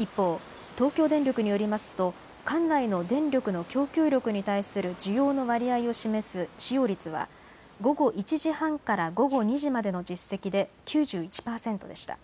一方、東京電力によりますと管内の電力の供給力に対する需要の割合を示す使用率は午後１時半から午後２時までの実績で９１％でした。